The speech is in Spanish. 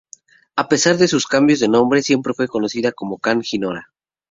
A pesar de sus cambios de nombre siempre fue conocida como "Can Girona".